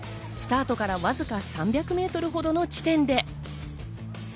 スタートからわずか３００ｍほどの地点で。